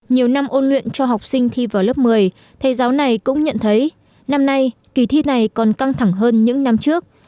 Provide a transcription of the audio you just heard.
nhiều năm ôn luyện cho học sinh thi vào lớp một mươi thầy giáo này cũng nhận thấy năm nay kỳ thi này còn căng thẳng hơn những năm trước